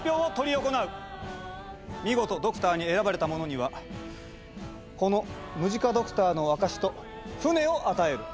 見事ドクターに選ばれた者にはこのムジカドクターの証しと船を与える。